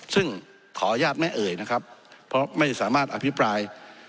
ซึ่งขออนุญาตไม่เอ่ยนะครับเพราะไม่สามารถอภิปราย